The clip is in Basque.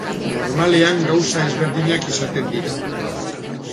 Normalean gauza ezberdinak izaten dira.